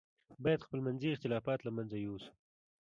باید خپل منځي اختلافات له منځه یوسو.